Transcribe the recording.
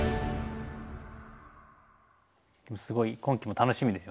すごい今期も楽しみですよね。